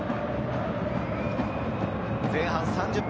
前半３０分。